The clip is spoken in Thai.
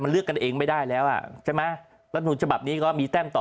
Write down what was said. เลือกกันเองไม่ได้แล้วอ่ะใช่ไหมรัฐมนุนฉบับนี้ก็มีแต้มต่อ